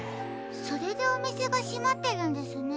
それでおみせがしまってるんですね。